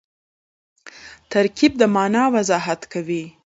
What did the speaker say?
ترکیب د مانا وضاحت کوي.